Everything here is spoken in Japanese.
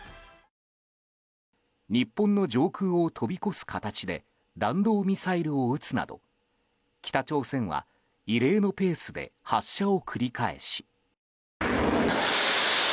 日本の上空を飛び越す形で弾道ミサイルを撃つなど北朝鮮は、異例のペースで発射を繰り返し。